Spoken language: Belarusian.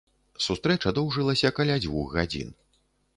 Сустрэча доўжылася каля дзвюх гадзін.